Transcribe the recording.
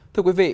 thưa quý vị